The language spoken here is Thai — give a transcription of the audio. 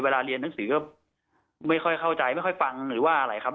เรียนหนังสือก็ไม่ค่อยเข้าใจไม่ค่อยฟังหรือว่าอะไรครับ